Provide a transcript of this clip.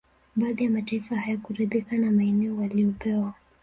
Baadhi ya mataifa hayakuridhika na maeneo waliyopewa